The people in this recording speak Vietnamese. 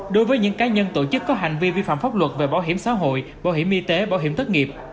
đối với những cá nhân tổ chức có hành vi vi phạm pháp luật về bảo hiểm xã hội bảo hiểm y tế bảo hiểm thất nghiệp